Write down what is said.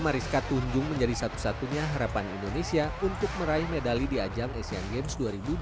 mariska tunjung menjadi satu satunya harapan indonesia untuk meraih medali di ajang asian games dua ribu dua puluh